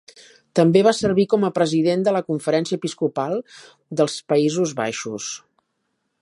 També va servir com a president de la Conferència Episcopal dels Països Baixos.